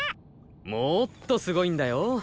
もっとすごいんだよ。